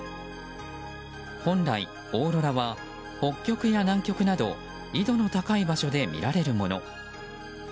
本来、オーロラは北極や南極など緯度の高い場所で見られるもの。